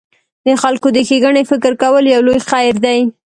د خلکو د ښېګڼې فکر کول یو لوی خیر دی.